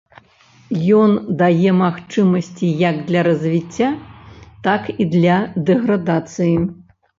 Ён дае магчымасці як для развіцця, так і для дэградацыі.